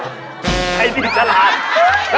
ไอ้นี่น้ำลาท